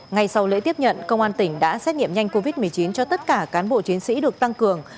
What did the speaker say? ngay sau lễ tiếp nhận công an tỉnh đã xét nghiệm nhanh covid một mươi chín cho tất cả cán bộ chiến sĩ được tăng cường